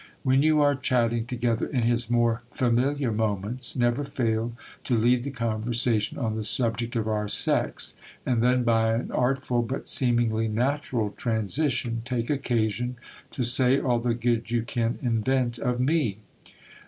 When you are chatting together in his more familiar moments, never fail to lead the conversation on the subject of our sex ; and then by an artful, but seemingly natural transition, take occasion to say all the good you can invent of me.